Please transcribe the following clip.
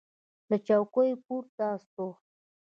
له چوکۍ پورته سو.